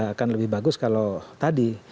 akan lebih bagus kalau tadi